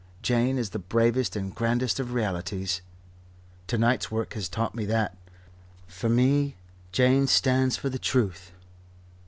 Jane is the bravest and grandest of realities. To night's work has taught me that. For me, Jane stands for the Truth.